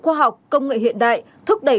khoa học công nghệ hiện đại thúc đẩy